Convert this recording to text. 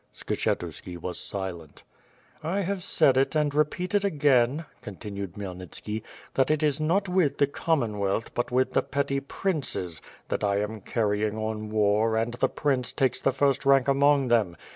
Skshetuski was silent. "I have said it and repeat it again," continued Khmyelnit ski, "tluit it is not with the (Commonwealth, but with the petty princes, that 1 am carrying on war and the prince takes the first rank among them.